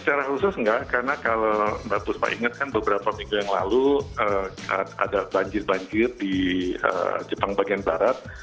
secara khusus enggak karena kalau mbak busma ingatkan beberapa minggu yang lalu ada banjir banjir di jepang bagian barat